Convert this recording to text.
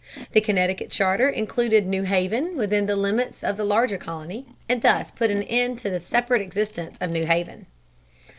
The Connecticut charter included New Haven within the limits of the larger colony and thus put an end to the separate existence of New Haven.